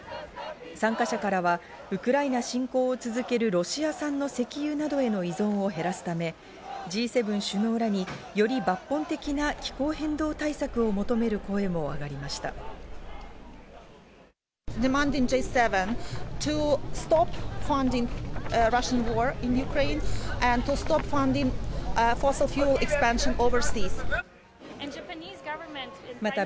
参加者からはウクライナ侵攻を続けるロシア産の石油などへの依存を減らすため、Ｇ７首脳らに、より抜本的な気候変動対策を求める声も上がりました。